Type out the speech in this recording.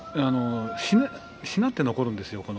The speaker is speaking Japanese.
しなって残るんですよ